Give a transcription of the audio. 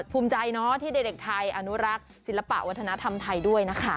ภูมิใจเนาะที่เด็กไทยอนุรักษ์ศิลปะวัฒนธรรมไทยด้วยนะคะ